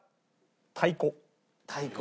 太鼓。